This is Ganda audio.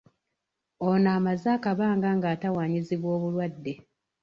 Ono amaze akabanga ng'atawanyizibwa obulwadde.